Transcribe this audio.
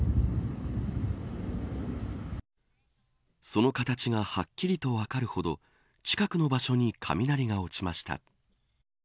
その形がはっきりと分かるほど近くの場所に雷が落ちました。